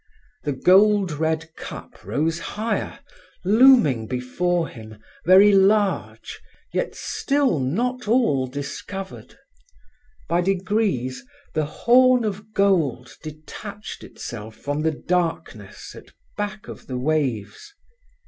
The gold red cup rose higher, looming before him very large, yet still not all discovered. By degrees the horn of gold detached itself from the darkness at back of the waves.